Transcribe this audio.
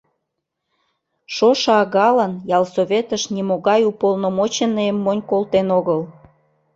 Шошо агалан ялсоветыш нимогай уполномоченныйым монь колтен огыл.